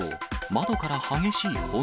窓から激しい炎。